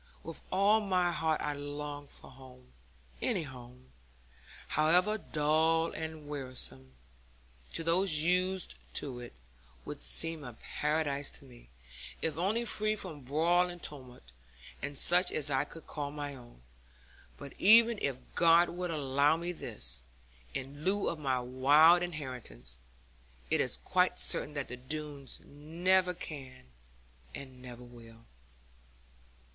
With all my heart I long for home; any home, however dull and wearisome to those used to it, would seem a paradise to me, if only free from brawl and tumult, and such as I could call my own. But even if God would allow me this, in lieu of my wild inheritance, it is quite certain that the Doones never can and never will.'